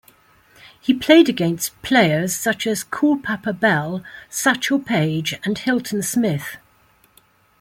He played against players such as Cool Papa Bell, Satchel Paige, and Hilton Smith.